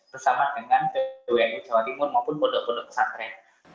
bersama dengan wni jawa timur maupun pondok pondok pesantren